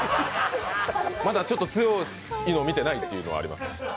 まだちょっと強いの見てないというのもありますね。